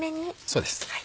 そうです。